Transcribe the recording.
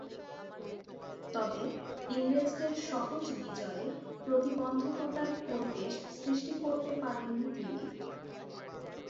তবে, ইংরেজদের সহজ বিজয়ে প্রতিবন্ধকতার পরিবেশ সৃষ্টি করতে পারেননি তিনি।